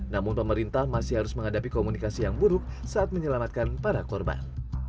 namun pemerintah masih harus menghadapi komunikasi yang buruk saat menyelamatkan para korban